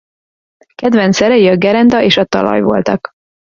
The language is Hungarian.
Kedvenc szerei a gerenda és a talaj voltak.